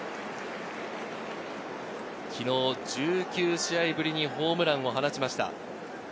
昨日、１９試合ぶりにホームランを放ちました。